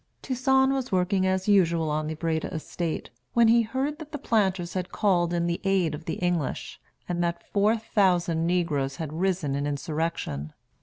Toussaint was working as usual on the Breda estate, when he heard that the planters had called in the aid of the English, and that four thousand negroes had risen in insurrection.